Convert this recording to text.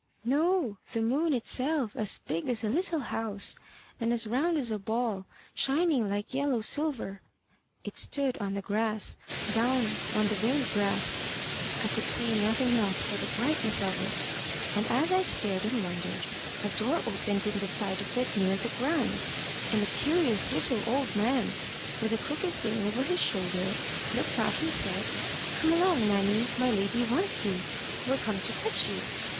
"No the moon itself, as big as a little house, and as round as a ball, shining like yellow silver. It stood on the grass down on the very grass: I could see nothing else for the brightness of it: And as I stared and wondered, a door opened in the side of it, near the ground, and a curious little old man, with a crooked thing over his shoulder, looked out, and said: 'Come along, Nanny; my lady wants you. We're come to fetch you."